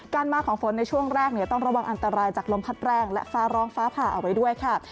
มาของฝนในช่วงแรกต้องระวังอันตรายจากลมพัดแรงและฟ้าร้องฟ้าผ่าเอาไว้ด้วยค่ะ